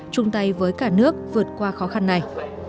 chung tay với cả nước vượt qua khó khăn này